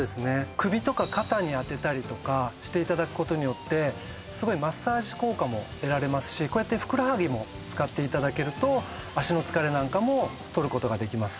首とか肩に当てたりとかしていただくことによってすごいマッサージ効果も得られますしこうやってふくらはぎも使っていただけると脚の疲れなんかもとることができます